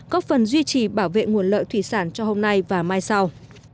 có phần duy trì bảo vệ nguồn lợi thủy sản cho hôm nay và mai sau